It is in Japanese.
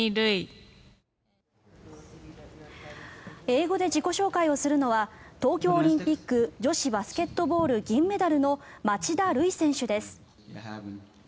英語で自己紹介をするのは東京オリンピック女子バスケットボール銀メダルの町田瑠唯選手です。